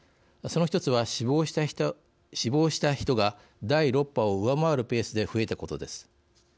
その１つは、死亡した人が第６波を上回るペースで増えたことです。